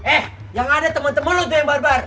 eh yang ada temen temen lo tuh yang barbar